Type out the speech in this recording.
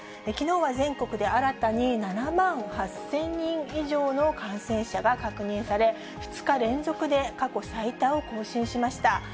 きのうは全国で新たに７万８０００人以上の感染者が確認され、２日連続で過去最多を更新しました。